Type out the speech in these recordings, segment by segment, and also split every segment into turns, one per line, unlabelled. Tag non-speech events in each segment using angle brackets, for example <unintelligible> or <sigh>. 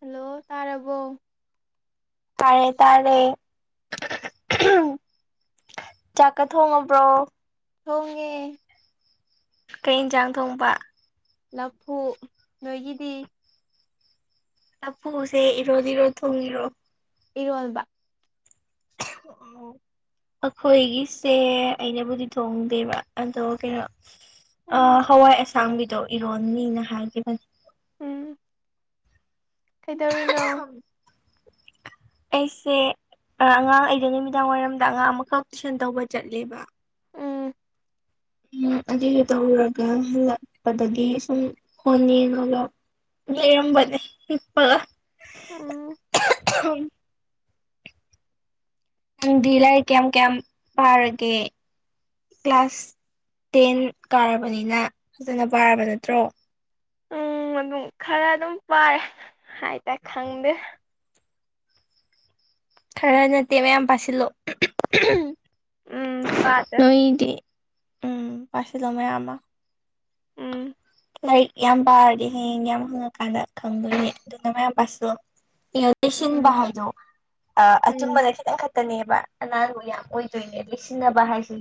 hello ꯇꯥꯔꯕꯣ
ꯇꯥꯔꯦ ꯇꯥꯔꯦ ꯆꯥꯛꯀ ꯊꯣꯡꯉꯕ꯭ꯔꯣ
ꯊꯣꯡꯉꯦ
ꯀꯩ ꯌꯦꯟꯁꯥꯡ ꯊꯣꯡꯕ
ꯂꯊꯣꯛ ꯅꯣꯏꯒꯤꯗꯤ
ꯑꯄꯨꯁꯦ ꯏꯔꯣꯗꯤ ꯏꯔꯣ ꯊꯨꯡ ꯏꯔꯣ
ꯏꯔꯜꯕ
ꯑꯣ ꯑꯩꯈꯣꯏꯒꯤꯁꯦ ꯑꯩꯅꯕꯨꯗꯤ ꯊꯣꯡꯗꯦꯕ ꯑꯗꯣ ꯀꯩꯅꯣ ꯑ
ꯎꯝ
ꯍꯋꯥꯏ ꯑꯁꯥꯡꯕꯤꯗꯣ ꯏꯔꯣꯟꯅꯤꯅ ꯍꯥꯏꯒꯦ
ꯎꯝ ꯀꯩꯗꯧꯔꯤꯅꯣ <inaudible>
ꯑꯩꯁꯦ ꯑꯉꯥꯡ ꯑꯩꯩꯅ ꯅꯨꯃꯤꯗꯥꯡ ꯋꯥꯏꯔꯝꯗ ꯑꯉꯥꯡ ꯑꯃꯈꯛ ꯇꯨꯏꯁꯟ ꯇꯧꯕ ꯆꯠꯂꯦꯕ
ꯎꯝ
ꯎꯝ ꯑꯗꯨꯁꯨ ꯇꯧꯔꯒ ꯍꯜꯂꯛꯄꯗꯒꯤ ꯁꯨꯝ ꯍꯣꯟꯅꯤ ꯑꯗꯨꯒꯒ ꯂꯩꯔꯝꯕꯅꯤ ꯏꯄꯥ
ꯑ
ꯎ ꯅꯪꯗꯤ ꯂꯩꯥꯏꯔ ꯀꯌꯥꯝ ꯀꯌꯥꯝ ꯐꯥꯔꯒꯦ ꯀ꯭ꯂꯥꯁ ꯇꯦꯟ ꯀꯥꯔꯕꯅꯤꯅ ꯐꯖꯅ ꯄꯥꯔꯕ ꯅꯠꯇ꯭ꯔꯣ
ꯎꯝ ꯑꯗꯨꯝ ꯈꯔ ꯑꯗꯨꯝ ꯄꯥꯏꯔꯦ ꯍꯥꯏꯇꯥꯔꯦ ꯈꯪꯗꯦ
ꯈꯔ ꯅꯠꯇꯦ ꯃꯌꯥꯝ ꯄꯥꯁꯤꯂꯣ
ꯎꯝ ꯄꯥꯗ
ꯅꯣꯏꯗꯤ ꯎꯝ ꯄꯁꯦꯗꯉꯥꯏ ꯑꯃ
ꯎꯝ
ꯂꯥꯏꯔꯤꯛ ꯌꯥꯝ ꯄꯥꯔꯗꯤ ꯍꯌꯦꯡ ꯌꯥꯝ ꯍꯪꯉꯀꯥꯟꯗ ꯈꯪꯗꯣꯏꯅꯦ ꯑꯗꯨꯅ ꯃꯌꯥꯝ ꯄꯥꯁꯨ ꯂꯩꯁꯤꯟꯕ
ꯎꯝ
ꯍꯥꯏꯗꯣ
ꯎꯝ
ꯑꯆꯨꯝꯕꯅ ꯈꯤꯇꯪ ꯈꯛꯇꯅꯦꯕ ꯑꯅꯥꯟꯕ ꯌꯥꯝ ꯑꯣꯏꯗꯣꯏꯅꯦ ꯏ ꯁꯤꯅꯕꯥꯏꯁꯤ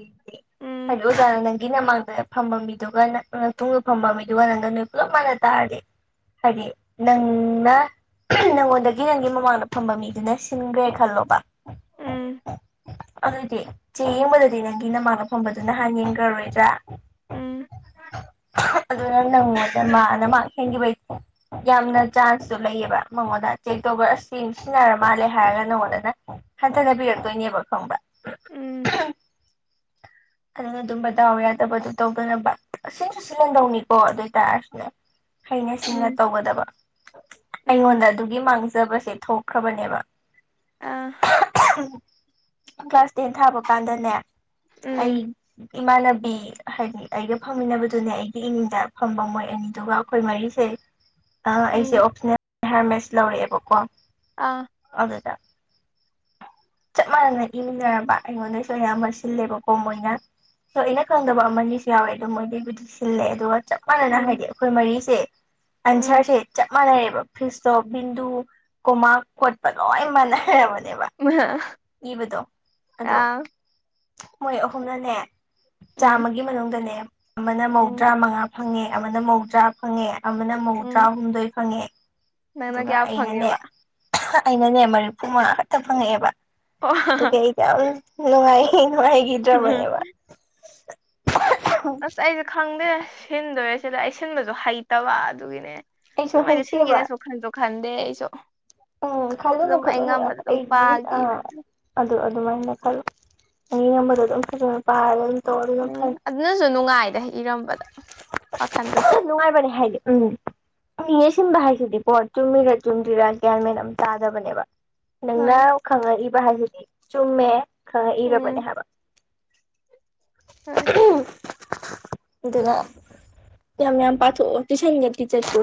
ꯎꯝ
ꯍꯥꯏꯗꯣꯖꯅ ꯅ ꯒꯤ ꯅꯃꯥꯡꯗ ꯐꯝꯕ ꯃꯤꯗꯨꯒ ꯃꯇꯨꯡꯨꯡꯗ ꯐꯝꯕ ꯃꯤꯗꯨꯒ ꯅꯪꯒ ꯅꯣꯏ ꯄꯨꯂꯞ ꯃꯥꯟꯅ ꯇꯥꯔꯗꯤ ꯍꯥꯏꯗꯤ ꯅꯪ ꯅꯪꯉꯣꯟꯗꯒꯤ ꯅꯪꯒꯤ ꯃꯃꯥꯡꯗ ꯐꯝꯕ ꯃꯤꯗꯨꯅ ꯁꯤꯟꯈ꯭ꯔꯦ ꯈꯜꯂꯣꯕ
ꯎꯝ
ꯑꯗꯨꯏꯗꯤ ꯆꯦ ꯌꯦꯡꯕꯗꯗꯤ ꯅꯪꯒꯤ ꯅꯃꯥꯟꯅ ꯐꯝꯕꯗꯨ ꯅꯍꯥꯟ ꯌꯦꯡꯈ꯭ꯔꯔꯣꯏꯗ꯭ꯔꯥ
ꯎꯝ
ꯑꯗꯨꯅ ꯅꯪꯉꯣꯟꯗ ꯃꯥꯅ ꯃꯥ ꯍꯦꯟꯈꯤꯕꯩꯦ ꯌꯥꯝꯅ ꯆꯥꯟꯁꯁꯨ ꯂꯩ ꯕ ꯃꯉꯣꯟꯗ ꯆꯦꯛ ꯇꯧꯕ ꯑꯁ ꯅꯨꯡꯁꯤꯟꯅꯔ ꯃꯥꯜꯂꯦ ꯍꯥꯏꯔꯒ ꯅꯪꯉꯣꯟꯗꯅ ꯍꯟꯊꯅꯕꯤꯔꯛꯇꯣꯏꯅꯦꯕ ꯈꯪꯕ
ꯎꯝ
<inaudible> ꯑꯗꯨꯅ ꯑꯗꯨꯝ ꯕꯗꯥꯎ ꯌꯥꯗꯕ ꯑꯗꯨ ꯇꯧꯗꯅꯕ ꯁꯤꯟꯁꯨ ꯁꯤꯜꯍꯟꯗꯧꯅꯤꯀꯣ ꯑꯗꯨ ꯑꯣꯏꯇꯥꯔꯁꯨꯅꯦ ꯍꯩꯅ ꯁꯤꯡꯅ
ꯎꯝ
ꯇꯧꯒꯗꯕ ꯑꯩꯉꯣꯟꯗ
ꯎꯝ
ꯑꯗꯨꯒꯤ ꯃꯥꯡ ꯖꯕꯁꯦ ꯊꯣꯛꯈ꯭ꯔꯕꯅꯦꯕ
ꯑ
ꯀ꯭ꯂꯥꯁ ꯇꯦꯟ ꯊꯥꯕ ꯀꯥꯟꯗꯅꯦ ꯑꯩ
ꯎꯝ
ꯏꯃꯥꯟꯅꯕꯤ ꯍꯥꯏꯗꯤ ꯑꯩꯒ ꯐꯝꯃꯤꯟꯅꯕꯗꯨꯅꯦ ꯑꯩꯒꯤ ꯏꯅꯤꯡꯗ ꯐꯝꯕ ꯃꯣꯏ ꯑꯅꯤꯗꯨꯒ ꯑꯩꯈꯣꯏ ꯃꯔꯤꯁꯦ
<inaudible>
ꯑꯩꯁꯦ ꯑꯣꯞꯁꯅꯦꯜ ꯍꯤꯌꯥꯔ ꯃꯦꯁ ꯂꯧꯔꯛꯑꯦꯕꯀꯣ
ꯑꯥ
ꯑꯗꯨꯗ
<unintelligible>
ꯆꯞ ꯃꯅꯅ ꯏꯃꯤꯟꯅꯔꯕ ꯑꯩꯉꯣꯟꯗꯁꯨ ꯑꯌꯥꯝꯕ ꯁꯤꯜꯂꯦꯕꯀꯣ ꯃꯣꯏꯅ ꯁꯣ ꯑꯩꯅ ꯈꯪꯗꯕ ꯑꯃꯅꯤ ꯑꯁꯨ ꯌꯥꯎꯋꯦ ꯑꯗꯨꯣ ꯃꯣꯏꯗꯩꯕꯨꯗꯤ ꯁꯤꯜꯂꯦ ꯑꯗꯨꯒ ꯆꯞ ꯃꯥꯟꯅꯅ
ꯎꯝ
ꯍꯥꯏꯗꯤ ꯑꯩꯈꯣꯏ ꯃꯔꯤꯁꯦ
<inaudible>
ꯑꯟꯁꯔꯁꯦ ꯆꯞ ꯃꯥꯟꯅꯔꯦꯕ ꯐꯤꯁꯇꯣꯞ ꯕꯤꯟꯗꯨ ꯀꯣꯃꯥꯛ ꯈꯣꯠꯄ ꯂꯣꯏ ꯃꯥꯟꯅꯔꯕꯅꯦ
ꯑ
ꯏꯕꯗꯣ ꯑꯗꯣ ꯃꯣꯏ ꯑꯍꯨꯝꯅꯅꯦ
ꯎꯝ
ꯆꯥꯝꯃꯒꯤ ꯃꯅꯨꯡꯗꯅꯦ ꯑꯃꯅ
ꯎꯝ
ꯃꯧꯗ꯭ꯔꯥ ꯃꯉꯥ ꯐꯪꯉꯦ ꯑꯃꯅ ꯃꯧꯗ꯭ꯔꯥ ꯐꯪꯉꯦ ꯑꯃꯅ
ꯎꯝ
ꯃꯧꯗ꯭ꯔꯥꯍꯨꯝꯗꯣꯏ ꯐꯪꯉꯦ
ꯅꯪꯅ
ꯑꯗꯨꯒ
ꯀꯌꯥ
ꯑꯩꯅꯅꯦ
ꯐꯪꯉꯦꯕ
ꯑꯩꯅꯅꯦ ꯃꯔꯤꯐꯨ ꯃꯉꯥ ꯈꯛꯇ ꯐꯪꯉꯛꯑꯦꯕ
ꯑꯣ
ꯑꯗꯨꯒꯤ ꯑꯩꯗꯤ ꯌꯥꯝ ꯅꯨꯡꯉꯥꯏ ꯒꯇ꯭ꯔ
ꯎꯝ
ꯅꯦꯕ
ꯑꯁ ꯑꯩꯁꯦ ꯈꯪꯗꯦ ꯁꯤꯟꯗꯣꯏꯔꯦ ꯁꯤꯗ ꯑꯩ ꯁꯤꯟꯕꯁꯨ ꯍꯩꯇꯕ ꯑꯗꯨꯒꯤꯅꯦ
ꯑꯩꯁꯨ
ꯑꯗꯨꯝ ꯑꯩꯗ
ꯍꯩꯇꯦꯕ
ꯁꯤꯟꯒꯦꯅꯁꯨ ꯈꯟꯁꯨ ꯈꯟꯗꯦ ꯑꯩꯁꯨ
ꯎꯝ ꯈꯜꯂꯨꯅꯨ
ꯑꯗꯨꯝ ꯑꯩ
ꯈꯜꯂꯨꯅꯨ ꯑ
ꯉꯝꯕꯗ ꯑꯗꯨꯝ
ꯑꯩꯒꯤ ꯑ
ꯄꯥꯒꯦꯅ ꯈꯜꯂꯦ
ꯑꯗꯨ ꯑꯗꯨꯃꯥꯏꯅ ꯈꯜꯂꯨ ꯑꯩꯒꯤ ꯉꯝꯕꯗꯣ ꯑꯗꯨꯝ ꯐꯖꯅ ꯄꯥꯔꯒ ꯑꯗꯨꯝ ꯇꯧꯔ ꯑꯗꯨ ꯑꯗꯨꯝ
ꯎꯝ
ꯐꯔꯦ
ꯑꯗꯨꯅꯁꯨ ꯅꯨꯡꯉꯥꯏꯗ ꯏꯔꯝꯕꯗ ꯋꯥꯈꯟꯗ
ꯅꯨꯡꯉꯥꯏꯕ ꯍꯥꯏꯥꯏꯗ ꯎꯝ ꯑꯁꯤꯤꯟꯕ ꯍꯥꯏꯁꯤꯗꯤ ꯄꯣꯠ ꯆꯨꯝꯃꯤꯔꯥ ꯆꯨꯝꯗ꯭ꯔꯥ ꯒ꯭ꯌꯥꯟ ꯃꯦꯟ ꯑꯃ ꯆꯥꯗꯕꯅꯦꯕ ꯅꯪꯅ
ꯍꯣꯏ
ꯈꯪꯉꯛꯏꯕ ꯍꯥꯏꯁꯤꯗꯤ ꯆꯨꯝꯃꯦ ꯈꯪꯉꯛꯏꯔꯕꯅꯦ
ꯎꯝ
ꯍꯥꯏꯕ
ꯍꯣꯏ
ꯅ ꯌꯥꯝ ꯄꯊ ꯇꯤꯁꯟꯒꯦ ꯇꯤꯆꯔ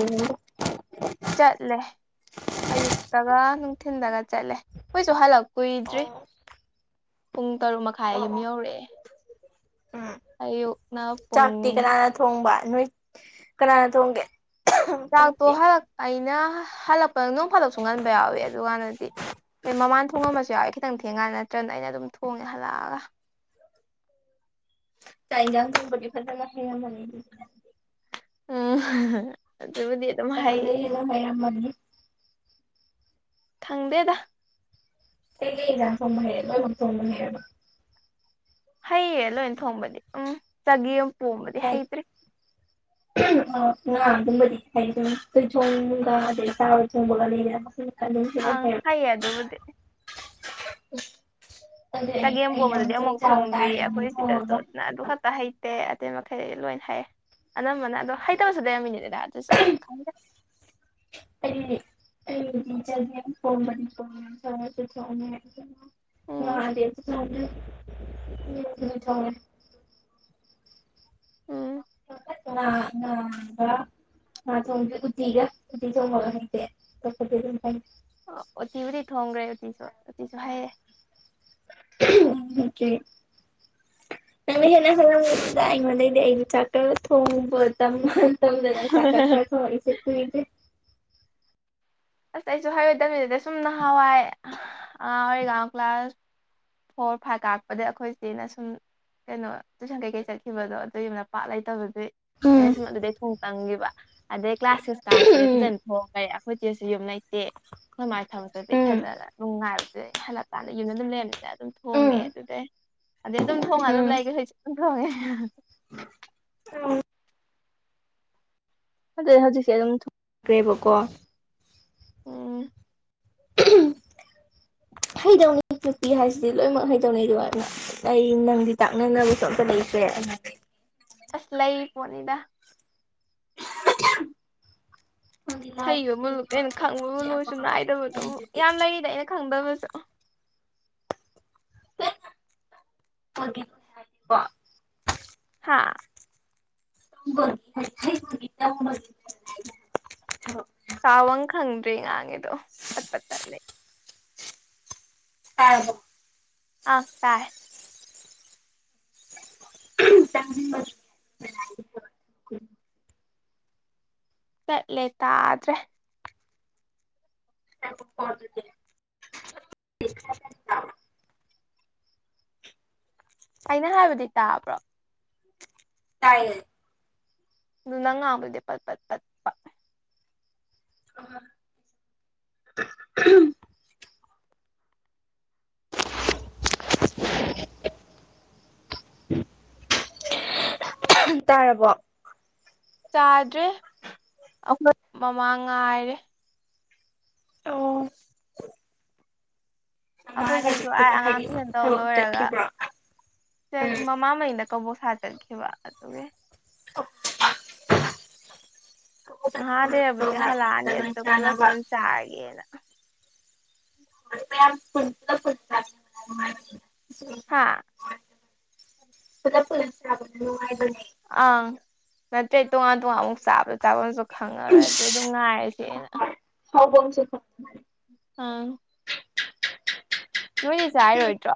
ꯆꯠꯂꯦ ꯑꯌꯨꯛꯇꯒ ꯅꯨꯡꯊꯤꯤꯟꯗꯒ ꯆꯠꯂꯦ ꯀꯨꯣꯏꯁꯨ ꯍꯜꯂꯛꯇꯦ ꯀꯨꯏꯗ꯭ꯔꯤ
ꯑꯣ
ꯄꯨꯡ ꯇꯔꯨꯛ ꯃꯈꯥꯏ
ꯑꯣ
ꯑꯌꯨꯝ
ꯑꯣ
ꯌꯧꯔꯛꯑꯦ
ꯎꯝ
ꯑꯌꯨꯛꯅ ꯄꯨꯡ
ꯆꯥꯛꯇꯤ ꯀꯅꯥꯅ ꯊꯣꯡꯕ ꯅꯣꯏ ꯀꯅꯥꯅ ꯊꯣꯡꯒꯦ
ꯆꯥꯛꯇꯣ
ꯆꯥꯛꯇꯤ
ꯍꯂꯛ ꯑꯩꯅ ꯍꯜꯂꯛꯄ ꯅꯣꯡ ꯐꯥꯗꯣꯛꯁꯨ ꯉꯟꯕ ꯌꯥꯎꯋꯤ ꯑꯗꯨ ꯀꯥꯟꯗꯗꯤ ꯑꯩ ꯃꯃꯥꯟ ꯊꯣꯡꯉꯝꯕꯁꯨ ꯌꯥꯏ ꯈꯤꯇꯪ ꯊꯦꯡꯀꯥꯟ ꯅꯠꯇ꯭ꯔꯒꯅ ꯑꯩꯅ ꯑꯗꯨꯝ ꯊꯣꯡꯉꯦ ꯍꯜꯂꯛꯑꯒ
ꯆꯥꯏꯗꯕꯗꯤ ꯐꯖꯅ ꯍꯥꯏꯅ
ꯎꯝ ꯑꯗꯨꯕꯨꯗꯤ ꯑꯗꯨꯝ ꯍꯥꯏꯌꯦ
ꯑꯩꯉꯣꯟꯗꯩ ꯍꯦꯟꯅ ꯍꯩꯔꯝꯃꯅꯤ
ꯈꯪꯗꯦꯗ
ꯁꯤ ꯌꯥꯝ ꯐꯣꯡꯕ ꯍꯩꯔꯦ ꯂꯣꯏꯃꯛ ꯐꯣꯡꯕ ꯍꯩꯔꯔꯕ
ꯍꯩꯌꯦ ꯂꯣꯏ ꯊꯣꯡꯕꯗꯤ ꯎꯝ ꯆꯒ ꯑꯃ ꯄꯣꯝꯕꯗꯤ ꯍꯩꯇ꯭ꯔꯤ
ꯑ ꯉꯥ ꯑꯗꯨꯝꯕꯗꯤ ꯍꯥꯏ ꯑꯗꯨꯝꯣꯏ ꯆꯣꯡꯒ ꯑꯗꯩ ꯆꯥꯕ ꯆꯣꯡꯕꯒ ꯂꯩꯗ
ꯑ ꯍꯩ ꯑ ꯑꯗꯨ ꯃꯗꯤꯦ
ꯎ
ꯆꯒꯦꯝ ꯄꯣꯝꯕꯗꯗꯤ ꯑꯃꯨꯛ ꯐꯣꯡꯗ꯭ꯔꯤ
ꯅꯪꯅ
ꯑꯩꯈꯣꯏ
ꯊꯣꯡꯉꯒ
ꯁꯤꯗꯁꯨꯅ ꯑꯗꯨ ꯈꯛꯇ ꯍꯩꯇꯦ ꯑꯇꯩ ꯃꯈꯩ ꯂꯣꯏꯅ ꯍꯩꯌꯦ ꯑꯅꯝꯕꯅ ꯑꯗꯣ ꯍꯩꯇꯕꯁꯨ ꯂꯩꯔꯝꯃꯤꯅꯦꯗꯗꯥ ꯑꯗꯨꯁꯨ ꯈꯪꯗꯦ
ꯀꯔꯤ ꯐ
ꯎꯝ
ꯑꯗ ꯊ
<inaudible> ꯎꯝ
<inaudible> ꯊꯣꯡ ꯎꯤꯒ ꯎ ꯊꯣꯡꯕꯦ
ꯑꯣꯇꯤꯕꯨꯗꯤꯤ ꯊꯣꯡꯈ꯭ꯔꯦ ꯎꯇꯁꯨ ꯎꯇꯁꯨ ꯍꯥꯏꯦ
ꯎꯀꯦ ꯅꯪ ꯍꯅ ꯐꯗ ꯃꯩꯗꯤꯩꯅ ꯆꯀ ꯊꯣꯡꯕ ꯃꯇꯝꯃ ꯗꯥ ꯀꯥꯀ ꯐꯔ ꯊꯁꯦ ꯀꯣꯏ
ꯑꯁ ꯑꯩꯁꯨ ꯍꯥꯏꯔꯣꯏꯗꯕꯤꯗ ꯁꯨꯝ ꯅꯍꯥꯟꯋꯥꯏ ꯑꯉꯥꯡ ꯑꯣꯏꯔꯤꯒ ꯀ꯭ꯂꯥꯁ ꯐꯣꯔ ꯐꯥꯏꯚ ꯀꯥꯔꯛꯄꯗ ꯑꯩꯈꯣꯏꯆꯦꯅ ꯑꯁꯨꯝ ꯀꯩꯅꯣ ꯇꯨꯏꯁꯟ ꯀꯩ ꯀꯩ ꯆꯠꯈꯤꯕꯗꯣ ꯑꯗꯨ ꯌꯥꯝꯅ ꯄꯥꯛ ꯂꯩꯇꯕ ꯑꯗꯩ ꯑꯩꯅ
ꯎꯝ
ꯁꯨꯝ ꯑꯗꯨꯗꯩ ꯊꯣꯡ ꯇꯝꯈꯤꯕ ꯑꯗꯩ ꯀ꯭ꯂꯥꯁ ꯁꯤꯛꯁ ꯀꯥꯔꯛꯄꯗꯩ
ꯎꯝ
ꯐꯖꯅ ꯊꯣꯡꯒꯔꯦ ꯑꯩꯈꯣꯏ ꯏꯆꯦꯁꯨ ꯌꯨꯝ ꯂꯩꯇꯦ ꯑꯩꯈꯣꯏ ꯃꯥꯁꯨ ꯊꯕꯛ ꯆꯠꯄ
ꯎꯝ
ꯏꯊꯟꯇꯒ ꯑꯗꯨꯝ ꯉꯥꯏꯕꯗꯨ ꯍꯜꯂꯛꯀꯥꯟꯗ ꯌꯨꯝꯗ ꯑꯗꯨꯝ ꯂꯩꯔꯝꯃꯦ ꯑꯗꯨꯝ ꯊꯣꯡꯉꯦ ꯑꯗꯨꯗꯩ ꯑꯗꯩ ꯑꯗꯨꯝ ꯊꯣꯡꯉ ꯑꯗꯨꯝ
ꯎꯝ
ꯂꯩꯒꯦ ꯍꯧꯖꯤꯁꯨ ꯑꯗꯨꯝ ꯊꯣꯡꯉꯦ
ꯑꯗꯨꯗꯩ ꯍꯧꯖꯤꯛꯁꯦ ꯑꯗꯨꯝ ꯊꯒ꯭ꯔꯦꯕꯀꯣ
ꯎꯝ <inaudible>
ꯍꯩꯗꯧꯅꯤ ꯅꯨꯄꯤ ꯍꯥꯏꯁꯤꯗꯤ ꯂꯣꯏꯅꯃꯛ ꯍꯩꯗꯧꯅꯤ ꯑꯗꯨꯒꯣ ꯑꯩ ꯅꯪꯗꯤ ꯇꯥꯛꯅꯅꯕꯁꯨ ꯑꯝꯇ ꯂꯩꯇ꯭ꯔꯦ ꯑꯩꯅ
ꯑꯁ ꯂꯩ ꯄꯣꯠꯅꯤꯗ
<unintelligible> ꯂꯥꯏꯒꯤ
ꯍꯩꯕꯕꯨ
ꯂꯩ ꯌꯣꯟꯕ
ꯀꯩꯅꯣ ꯈꯪꯕꯕꯨ
ꯏꯃꯣꯏꯅꯨꯒꯤ ꯑꯃ
ꯂꯣꯏꯁꯨ
ꯑꯃ
ꯅꯥꯏꯗꯕꯗꯨ
ꯂꯩ
ꯌꯥꯝ ꯂꯩꯔꯤꯗ ꯑꯩꯅ ꯈꯪꯗꯕꯁꯨ
<unintelligible>
ꯍꯥꯥ
<unintelligible>
ꯇꯥꯕꯝ ꯈꯪꯗ꯭ꯔꯦ ꯉꯥꯡꯉꯤꯗꯨ ꯄꯠ ꯄꯠ ꯇꯠꯂꯦ
ꯇꯥꯔꯕꯣ
ꯑꯥ ꯇꯥꯔꯦ
ꯎꯝ <unintelligible>
ꯇꯠꯂꯦ ꯇꯥꯗ꯭ꯔꯦ
<unintelligible>
ꯑꯩꯅ ꯍꯥꯏꯕꯗꯤ ꯇꯥꯕ꯭ꯔꯣ
ꯇꯥꯏꯌꯦ
ꯑꯗꯨ ꯅꯪ ꯉꯥꯡꯕꯗꯤ ꯄꯠ ꯄꯠ ꯇꯞꯄꯥ
ꯎꯝ ꯍꯨꯝ
<inaudible>
ꯎꯍꯨꯝ ꯇꯥꯔꯕꯣ
ꯆꯥꯗ꯭ꯔꯤ ꯑꯈꯣꯏ ꯃꯃꯥ ꯉꯥꯏꯔꯤ
ꯑꯣ ꯃꯥꯒ
ꯑꯩꯈꯣꯏꯆꯦꯁꯨ ꯑꯥꯏ ꯑꯉꯥꯡ
ꯍꯥꯏꯗꯤ
ꯇꯨꯏꯁꯟ ꯇꯧ
ꯊꯕꯛ
ꯂꯣꯏꯔꯒ
ꯆꯠꯈꯤꯕ꯭ꯔꯣ ꯎꯝ
ꯃꯃꯥ ꯃꯩꯅ ꯀꯕꯣꯛ ꯁꯥ ꯆꯠꯈꯤꯕ ꯑꯗꯨꯒꯤ
<unintelligible>
ꯉꯍꯥꯛ ꯂꯩꯕꯕꯨꯗꯤ ꯍꯜꯂꯛꯑꯅꯤ
ꯂꯣꯏ
ꯑꯗꯨꯗ ꯄꯨꯂꯞ
ꯆꯥꯅꯕ
ꯄꯨꯟ ꯆꯥꯔꯒꯦꯅ
<unintelligible> ꯄꯨꯂꯞ ꯄꯨꯜꯂ
ꯍꯥ
ꯂ ꯆꯥꯛ ꯐꯥꯕꯁꯨ ꯅꯨꯡꯉꯥꯏꯕꯅꯦ
ꯑꯪ ꯅꯠꯇ꯭ꯔꯗꯤ ꯇꯣꯉꯥꯟ ꯇꯣꯉꯥꯟ ꯑꯃꯨꯛ ꯁꯥꯕ ꯆꯥꯕꯝꯁꯨ ꯈꯪꯉꯔꯣꯏ ꯑꯗꯩ ꯑꯗꯨꯝ ꯉꯥꯏꯔꯁꯦ ꯅ
ꯍꯥꯎ ꯕꯪ ꯁꯦ
ꯎꯝ ꯅꯣꯏꯗꯤ ꯆꯥꯔꯤꯔꯣꯏꯗ꯭ꯔꯣ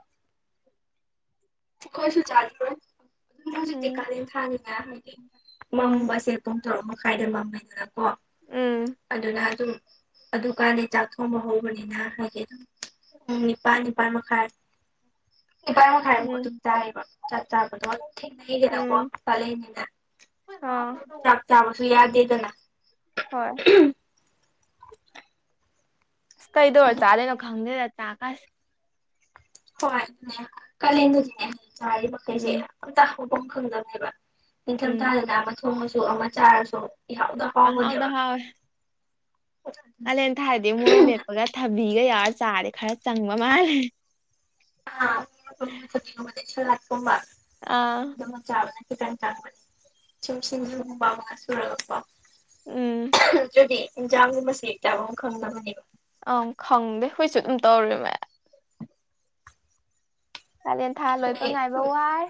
ꯑꯈꯣꯏꯁꯨ ꯆꯥꯒꯤꯔꯣꯏ ꯑꯗꯨꯝ ꯍꯧꯖꯤꯛꯇꯤ
ꯎꯝ
ꯀꯥꯂꯦꯟ ꯊꯥꯅꯤꯅ ꯍꯥꯏꯗꯤ
ꯎꯝ
ꯃꯝꯕꯁꯦ ꯄꯨꯡ ꯇꯔꯨꯛ ꯃꯈꯥꯏꯗ ꯃꯝꯃꯦꯗꯅ ꯀꯣ
ꯎꯝ
ꯑꯗꯨꯅ ꯑꯗꯨꯝ ꯑꯗꯨ ꯀꯥꯟꯗꯩ ꯆꯥꯛꯊꯣꯡꯕ ꯍꯧꯕꯅꯤꯅ ꯍꯥꯏꯗꯤ ꯑꯗꯨ ꯄꯨꯡ ꯅꯤꯄꯥꯟ ꯅꯤꯄꯥꯟꯃꯈꯥꯏ ꯅꯤꯄꯥꯟꯃꯈꯥꯏ ꯃꯣꯟ
ꯎꯝ
ꯆꯥꯛ ꯆꯥꯕꯗꯣ ꯑꯗꯨꯝ ꯊꯦꯡꯅꯩꯗꯅꯀꯣ
ꯎꯝ
ꯀꯥꯂꯦꯟꯅꯤꯅ
ꯑꯥ
ꯆꯥꯛ ꯆꯥꯕꯁꯨ ꯌꯥꯗꯦꯗꯅ
ꯍꯣꯏ ꯑꯁ ꯀꯩꯗꯧꯔ ꯆꯥꯂꯤꯅꯣ ꯈꯪꯗꯦꯗ ꯆꯥꯛꯀꯁꯤ
ꯍꯣꯏ ꯑꯗꯨꯅꯦ ꯀꯥꯂꯦꯟꯗꯨꯗꯤꯅꯦ ꯑ ꯆꯥꯔꯤꯕ ꯃꯈꯩꯁꯦ
ꯎꯝ
ꯑꯝꯇ ꯍꯐꯝ ꯈꯪꯗꯕꯅꯦꯕ ꯅꯤꯡꯊꯝ
ꯎꯝ
ꯊꯥꯗꯅ ꯑꯃ ꯊꯣꯡꯉꯁꯨ ꯑꯃ ꯆꯥꯔꯁꯨ ꯌꯥꯎꯗꯣ
ꯄꯪꯍꯥꯎꯗ
ꯍꯥꯎꯕꯅꯦꯕ
ꯍꯥꯎꯋꯦ ꯀꯥꯂꯦꯟ ꯊꯥꯔꯗꯤ ꯃꯣꯔꯣ ꯃꯦꯞꯄꯒ ꯊꯕꯤꯒ ꯌꯥꯎꯔ ꯆꯥꯔꯦ ꯈꯔ ꯆꯪꯕ ꯃꯥꯜꯂꯦ
ꯑ ꯂꯥꯛꯄꯝꯕ
ꯑꯥ
ꯑꯗꯨ ꯃꯖꯕ ꯈꯤꯇꯪ ꯆꯥꯛꯄꯅꯦ ꯁꯨꯝ ꯁꯃꯕꯕ ꯁꯨꯔꯒꯀ
ꯎꯝ
ꯑꯗꯨꯗꯤ ꯑꯦꯟꯖꯥꯥꯡꯒꯤ ꯃꯁꯤꯡ ꯆꯥꯐꯝ ꯑꯃ ꯈꯪꯕꯅꯦꯕ
ꯑꯪ ꯈꯪꯗꯦ ꯍꯨꯣꯏꯁꯨ ꯑꯗꯨꯝ ꯇꯧꯔꯤꯃꯦ ꯀꯥꯂꯦꯟ ꯊꯥ ꯂꯣꯏꯕ ꯉꯥꯏꯕ ꯋꯥꯏ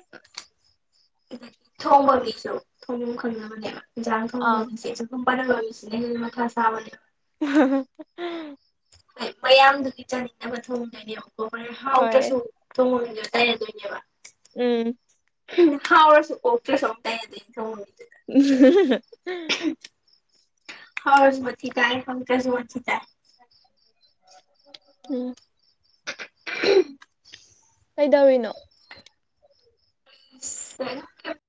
ꯊꯣꯡꯕꯕꯤꯁꯨ ꯊꯣꯡ ꯈꯪꯅꯕ ꯃꯅꯦꯕ ꯌꯥ
ꯑꯥ
ꯊꯣꯡꯕꯁꯦꯁꯨ ꯊ ꯔꯒꯔꯁꯅꯦ ꯃꯥ ꯑꯋꯥꯦ
<inaudible>
ꯍꯣꯏ ꯃꯌꯥꯝꯗꯨꯒꯤ ꯆꯥꯅꯤꯡꯅꯕ ꯊꯣꯡꯗꯣꯏꯅꯦꯨꯀꯣ ꯍ ꯍꯥꯎꯗ꯭ꯔꯁꯨ
ꯍꯣꯏ
ꯊꯣꯡꯉꯣꯏ ꯇꯥꯏ ꯟ
ꯎꯝ
ꯍꯥꯎ ꯑꯣꯀꯦ ꯁꯣ ꯇ ꯊ
ꯎꯝ
ꯍꯥꯎꯁꯨꯕꯤ ꯇꯥꯏ ꯐꯪ ꯆꯁꯨꯕꯤ ꯇꯥꯏ
ꯎꯝ
<inaudible>
ꯀꯩꯗꯧꯔꯤꯅꯣ
<inaudible>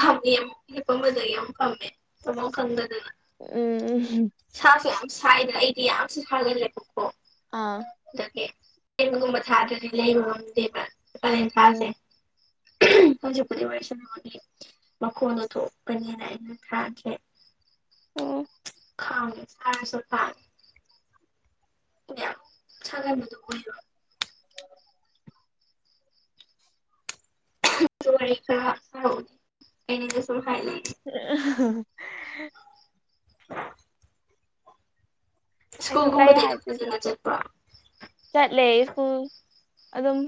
ꯐꯝꯃꯦ ꯑꯃꯨꯛ ꯍꯄꯝꯕꯗꯒꯤ ꯑꯃꯨꯛ ꯐꯝꯃꯦ ꯇꯃꯣꯛ ꯈꯪꯗꯗꯅ
ꯎꯝ
ꯆꯥꯛꯁꯨ ꯌꯥꯝ ꯁꯥꯏꯗꯅ ꯑꯩꯗꯤ ꯌꯥꯝꯁꯨ ꯁꯥꯒꯜꯂꯦꯕꯀꯣ
ꯑꯥ
ꯑꯗꯒꯤꯦꯟꯕꯒꯨꯝꯕ ꯊꯥꯗ꯭ꯔꯗꯤ ꯂꯩꯕ ꯉꯝꯗꯦ
ꯎꯝ
ꯊꯥꯁꯦ
<inaudible>
ꯖꯤꯛꯄꯗꯤ ꯋꯥꯔꯤꯁꯤꯅꯤ ꯃꯈꯣꯟꯗ ꯊꯣꯛꯀꯅꯤꯅ ꯑꯩꯅ ꯊꯥꯈꯦ
ꯎꯝ
ꯈꯥꯎꯒꯦ ꯆꯔꯁꯨ ꯈ ꯁꯒꯔ ꯅꯗ ꯀꯔ ꯋꯥ ꯈ ꯍꯅꯤꯗꯤꯁꯨꯣ ꯍꯥꯏ
<unintelligible> ꯑꯁꯨ ꯀꯥꯏ
ꯁ꯭ꯀꯨꯜꯒꯨꯝꯕꯗꯤ
ꯍꯥꯏ
ꯑꯗꯨꯝ ꯐꯖꯅ ꯆꯠꯄ꯭ꯔꯣ
ꯆꯠꯂꯦ ꯁ꯭ꯀꯨꯜ ꯑꯗꯨꯝ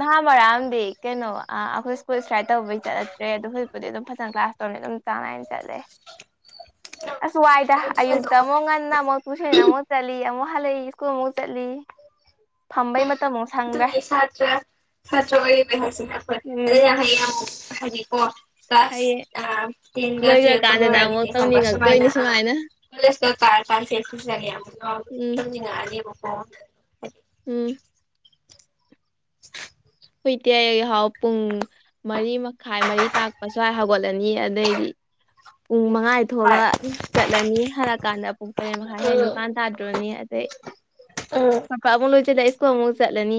ꯅꯍꯥ ꯃꯔꯥꯝꯗꯤ ꯀꯩꯅꯣ ꯑꯩꯈꯣꯏ ꯁ꯭ꯀꯨꯜ ꯏꯁꯇ꯭ꯔꯥꯏꯠ ꯇꯧꯕꯩ ꯆꯠꯂꯛꯇ꯭ꯔꯦ ꯑꯗꯨ ꯍꯧꯖꯤꯛꯄꯨꯗꯤ ꯑꯗꯨꯝ ꯐꯖꯅ ꯀ꯭ꯂꯥꯁ ꯇꯧꯔꯅꯤ ꯑꯗꯨꯝ ꯆ ꯆꯥꯡ ꯅꯥꯏꯅ ꯆꯠꯂꯦ ꯑꯁ ꯋꯥꯏꯗ
ꯅꯪ ꯇꯨꯏꯁꯟ
ꯑꯌꯨꯛꯇ
ꯇꯧꯕꯗ
ꯑꯃꯨꯛ ꯉꯟꯅ ꯑꯃꯨꯛ ꯀꯁꯅ ꯑꯃ ꯆꯠ ꯌꯥꯝ ꯃ ꯍꯂ ꯁꯀꯨꯜ ꯃꯨ ꯆꯠ ꯐꯝꯝꯕꯩ ꯃ ꯃꯇꯝ ꯃ
ꯑꯗꯨ ꯁꯥꯇ꯭ꯔ ꯁꯥꯇ꯭ꯔ ꯋꯥꯔꯤ ꯍꯥꯏꯁꯤꯅꯈꯣꯏ
ꯎꯝ
ꯑꯗꯨ ꯍꯥꯏꯕꯤ ꯀꯣ
ꯍꯌꯦꯡ
ꯀ꯭ꯂꯥꯁ ꯇꯦꯟꯒ ꯇꯨꯌꯦꯦꯜꯀ
ꯂꯣꯏꯈ꯭ꯔꯀꯥꯟꯗꯅ ꯑꯃꯨꯛ
ꯂꯣꯏꯔꯒꯅꯤ ꯍꯕ꯭ꯔ ꯁꯨꯃꯥꯏꯅ
ꯇꯧꯅꯤꯡꯉꯛꯇꯣꯏꯅꯤ
ꯄꯨꯂꯁ ꯀꯥ ꯀꯥꯟ ꯆꯦꯛꯇꯦ
ꯎꯝ
ꯃꯤꯉꯅꯤ ꯃ ꯐꯣ
<inaudible>
<inaudible>
ꯍꯨꯏꯇꯦꯍꯥꯎ ꯄꯨꯡ ꯃꯔꯤ ꯃꯈꯥꯏ ꯃꯔꯤ ꯇꯥꯛꯄ ꯁ꯭ꯋꯥꯏ ꯍꯧꯒꯠꯂꯅꯤ ꯑꯗꯩꯗꯤ <inaudible> ꯄꯨꯡ ꯃꯉꯥ ꯊꯣꯛꯑꯒ
ꯍꯣꯏ
ꯆꯠꯂꯅꯤ ꯍꯜꯂꯛꯀꯥꯟꯗ ꯄꯨꯡ ꯇꯔꯦꯠ ꯃꯈꯥꯏ ꯍꯦꯛ ꯅꯤꯄꯥꯟ ꯇꯥꯗ꯭ꯔꯣꯅꯤ ꯑꯗꯩ
ꯎꯝ ꯎꯝ
ꯄꯕꯥ ꯑꯃꯨꯛ ꯂꯣꯏ ꯆꯠꯂ ꯁ꯭ꯀꯨ ꯑꯃꯨ ꯆꯠꯂꯅꯤ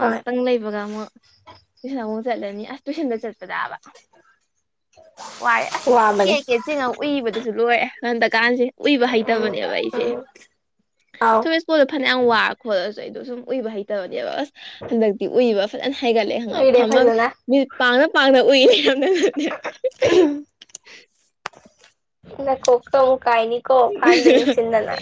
ꯍꯣꯏ
ꯂꯩꯕꯒ ꯇꯁꯟ ꯑꯃꯨꯛ ꯆꯠꯂꯅꯤ ꯑꯁ ꯇ꯭ꯨꯁꯟꯗ ꯆꯠꯄꯗꯕ ꯋꯥꯏꯔꯦ ꯑꯁ ꯀꯦ
ꯋꯥꯕꯅꯤ
ꯀꯦ ꯆꯦꯡꯉ ꯎꯏꯕꯗꯁꯨ ꯂꯣꯏꯔꯦ ꯍꯟꯗꯛꯀꯥꯟꯁꯦ ꯎꯏꯕ
ꯎꯝ
ꯍꯩꯇꯕꯅꯦꯕ ꯑꯩꯁꯦ
<unintelligible> ꯑꯥꯎ
ꯁꯨꯃꯦꯁ ꯄꯨꯣꯜꯂꯣ ꯐꯅꯦꯛ ꯌꯥꯝ ꯋꯥ ꯈꯣꯠꯂꯁꯨ ꯑꯩꯗꯣ ꯁꯨꯝ ꯎꯏꯕ ꯍꯩꯇꯕꯅꯦꯕ ꯑꯁ ꯍꯟꯗꯛꯇꯤ ꯎꯏꯕ ꯐꯖꯅ ꯍꯥꯏꯒꯠꯂꯦ ꯍꯪꯉꯥꯎ
ꯎꯏꯔꯦ
ꯐꯝꯃ
ꯐꯖꯅ
ꯃꯤ ꯄꯥꯡꯅ ꯄꯥꯡꯅ ꯎꯏꯌꯦ ꯌꯥꯝꯅ <unintelligible>
ꯅꯀꯣꯛꯇ ꯑꯃꯨꯛ ꯀꯥꯏꯅꯤꯀꯣ ꯐꯥꯟꯗ ꯌꯨꯡꯁꯤꯟꯗꯅ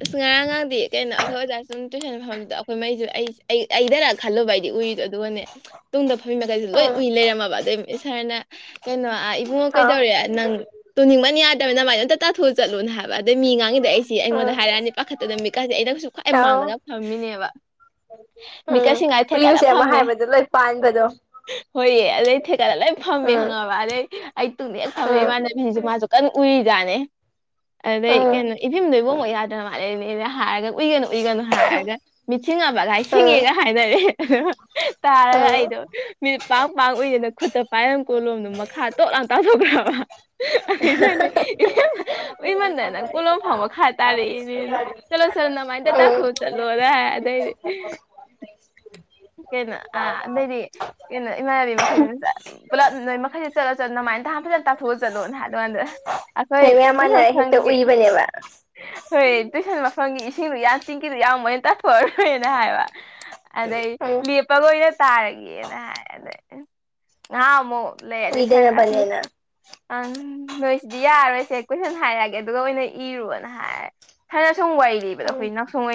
ꯑꯁ ꯉꯔꯥꯡ ꯉꯥꯡꯗꯤ ꯀꯩꯅꯣ ꯑꯩꯈꯣꯏ ꯑꯣꯖꯥ ꯁꯨꯝ ꯇꯨꯁꯟꯕ ꯐꯐꯝꯗꯨꯗ ꯑꯩꯈꯣꯏ ꯃꯩꯁꯨ ꯑꯩ ꯑꯩꯗꯔꯥ ꯈꯜꯂꯨꯕ ꯍꯥꯏꯗꯤ ꯎꯏꯔꯤꯗꯣ ꯑꯗꯨꯒꯅꯦ ꯇꯨꯡꯗ ꯐꯝꯃꯤ ꯃꯈꯩꯁꯨ ꯂꯣꯏ
ꯎꯝ
ꯎꯏ ꯂꯩꯔꯝꯃꯕ ꯑꯗꯨꯗꯩ ꯁꯥꯔꯅ ꯀꯩꯅꯣ ꯏꯕꯨꯡꯉꯣ
ꯑꯥꯎ
ꯀꯩꯗꯧꯔꯦ ꯅꯪ ꯇꯨꯝꯅꯤꯡꯕꯅ ꯌꯥꯗꯕꯅꯤꯅꯃꯥꯏꯅ ꯇꯥꯊꯣꯛꯑ ꯆꯠꯂꯨꯅ ꯍꯥꯏꯕ ꯑꯗꯩ ꯃꯤ ꯉꯥꯡꯉꯗ ꯑꯩꯁꯤ ꯑꯩꯉꯣꯟꯗ
ꯎꯝ
ꯍꯥꯏꯔꯛꯑꯅꯤ ꯄꯥꯈꯠꯇꯗ ꯃꯤꯀꯁꯤꯦ ꯑꯩꯅ ꯀꯁꯨ ꯈ꯭ꯋꯥꯏ
ꯑꯥꯎ
ꯃꯥꯡꯂꯒ ꯐꯝꯃꯤ ꯅꯦꯕ ꯃꯤꯀꯁꯤꯡ ꯉꯥꯏ
ꯀꯨꯏꯕꯁꯦ ꯑꯃ ꯍꯥꯏꯕꯗ ꯂꯣꯏ ꯄꯥꯟ
ꯍꯣꯏꯌꯦ ꯑꯗꯩ ꯊꯦꯀꯂ ꯂꯣꯏ ꯐꯝꯃꯦ
ꯎꯝ
ꯈꯪꯉꯕ ꯑꯗꯩ ꯑꯩ ꯇꯨꯡꯅ ꯍꯦꯛ ꯐꯝꯃꯦ ꯏꯃꯥꯟꯅꯕꯤꯁꯤꯁꯨ ꯃꯥꯁꯨ ꯀꯟꯅ ꯎꯔꯤꯖꯅꯦ ꯑꯗꯩ ꯀꯩꯅꯣ ꯏꯐꯤꯝꯗꯣ ꯏꯕꯨꯡꯃꯛ ꯌꯥꯗ꯭ꯔꯅ ꯃꯥꯜꯂꯦꯅꯦꯅ ꯍꯥꯏꯔꯒ ꯎꯏꯒꯅꯨ ꯎꯏꯒꯅꯨ ꯍꯥꯏꯔꯒ ꯃꯤꯁꯤꯡ ꯒꯥꯏ ꯁꯤꯡꯉꯦꯒ ꯍꯥꯏꯅꯔꯦ ꯑ ꯇꯥꯔꯒ ꯑꯩꯗꯣ ꯃꯤꯅꯤꯠ ꯄꯥꯡ ꯄꯥꯡ ꯎꯏꯗꯅ ꯈꯨꯠꯇ ꯄꯥꯏꯔꯦꯝ ꯀꯣꯂꯣꯝꯗꯣ ꯃꯈꯥ ꯇꯣꯛꯂꯥ ꯇꯥꯊꯣꯛꯈ꯭ꯔꯕ ꯑꯗꯨꯁꯨꯅꯦ
ꯀ
ꯇꯥꯔꯛꯏꯅꯦꯅ ꯆꯠꯂꯣ ꯆꯠꯂꯣ ꯅꯃꯥꯏ ꯗꯥ
<unintelligible>
ꯇꯥꯊꯣꯛꯑ ꯆꯠꯂꯣꯅ ꯍꯥꯏ ꯑꯗꯩꯗꯤ
<unintelligible>
<unintelligible> ꯀꯩꯅꯣ ꯑꯥ ꯑꯗꯩꯗꯤ ꯀꯩꯅꯣ ꯏꯃꯥꯟꯅꯕꯤ ꯃꯈꯩꯗꯨ ꯄꯨꯂꯞ ꯅꯣꯏ ꯃꯈꯩꯗ ꯆꯠꯂ ꯆꯠ ꯀꯨꯃꯥꯏ ꯇꯍꯥꯟ ꯐꯖꯅ ꯇꯥꯊꯣꯛꯑ ꯆꯠꯂꯣꯅ ꯍꯥꯏꯗꯉꯥꯟꯗ ꯑꯩꯈꯣꯏ
ꯂꯩ ꯃꯌꯥꯝ
ꯏꯟꯇꯁ
ꯃꯥꯟꯅꯔ ꯍꯦꯛꯇ
ꯈꯪꯗꯦ
ꯎꯏꯕꯅꯦꯕ
ꯍꯣꯏ ꯇꯨꯏꯁꯟ ꯃꯐꯝꯒꯤ ꯏꯁꯤꯡꯗꯨ ꯌꯥꯝ ꯇꯤꯡꯀꯤꯗꯨ ꯌꯥꯝ ꯃꯣꯏꯅ ꯇꯥꯊꯣꯛꯑꯔꯣꯏꯅ ꯍꯥꯏꯕ ꯑꯗꯩ
ꯎꯝ
ꯂꯦꯞꯄ ꯂꯣꯏꯅ ꯇꯥꯔꯒꯦꯅ ꯍꯥꯏ ꯑꯗ ꯉꯥꯏꯍꯥꯛ ꯑꯃꯨꯛ ꯂꯩ ꯑꯗꯦ ꯁꯅ ꯑꯁ
ꯎꯏꯗꯅꯕꯅꯦꯅ
ꯑꯪ ꯅꯣꯏꯁꯤꯗꯤ ꯌꯥꯔꯔꯣꯏꯁꯦ ꯀꯨꯏꯁꯟ ꯍꯥꯏꯔꯛꯑꯒꯦ ꯑꯗꯨꯒ ꯑꯣꯏꯅ ꯏꯔꯨꯅ ꯍꯥꯏꯔꯦ ꯁꯅ ꯁꯨꯝ ꯋꯥꯔꯤ ꯂꯤꯕꯗꯣ
ꯎꯝ
ꯑꯩꯈꯣꯏ ꯎꯁꯨꯡ ꯑꯣꯏꯅ